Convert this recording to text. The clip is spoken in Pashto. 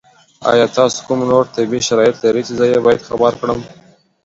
ایا تاسو کوم نور طبي شرایط لرئ چې زه یې باید خبر کړم؟